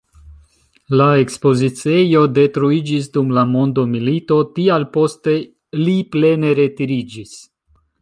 La ekspoziciejo detruiĝis dum la mondomilito, tial poste li plene retiriĝis.